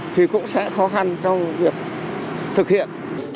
thì cũng sẽ khó khăn trong việc thực hiện